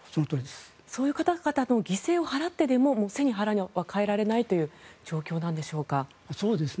そういう方々の犠牲を払ってでも背に腹は代えられないという状況なんでしょうか。